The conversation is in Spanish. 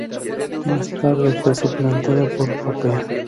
Más tarde fue suplantada por Popea.